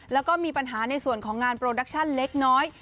แล้วก็มีปัญหาในส่วนของงานโปรดักชั่นเล็กน้อย